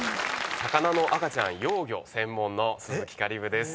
魚の赤ちゃん幼魚専門の鈴木香里武です。